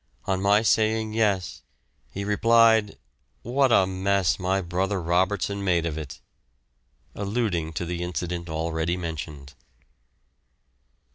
On my saying yes, he replied, "What a mess my brother Robertson made of it!" alluding to the incident already mentioned.